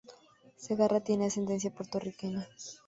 Segarra tiene ascendencia puertorriqueña.